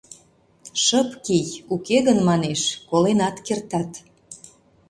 Шып кий, уке гын, манеш, коленат кертат.